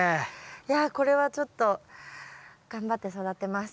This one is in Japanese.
いやこれはちょっと頑張って育てます。